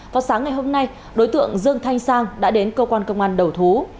vào sáng ngày hôm nay đối tượng dương thanh sang đã đến cơ quan công an đầu thú